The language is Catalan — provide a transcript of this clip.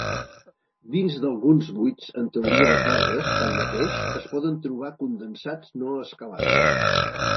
Dins d'alguns buits en teoria de cordes, tanmateix, es poden trobar condensats no escalars.